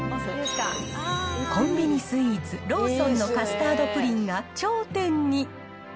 コンビニスイーツ、ローソンのカスタードプリンが頂点に。